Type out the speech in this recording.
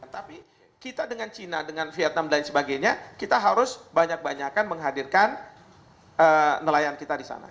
tapi kita dengan cina dengan vietnam dan sebagainya kita harus banyak banyakan menghadirkan nelayan kita di sana